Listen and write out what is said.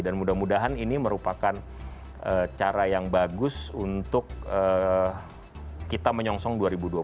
dan mudah mudahan ini merupakan cara yang bagus untuk kita menyongsong dua ribu dua puluh satu